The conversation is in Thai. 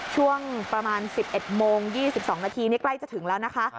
ช่วงประมาณ๑๑โมง๒๒นาทีนี่ใกล้จะถึงแล้วนะคะ